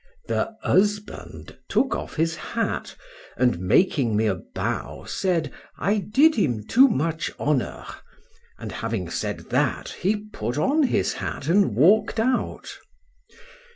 —The husband took off his hat, and making me a bow, said, I did him too much honour—and having said that, he put on his hat and walk'd out.